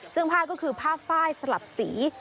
ซึ่งผ้าก็คือผ้าไฟสลับสี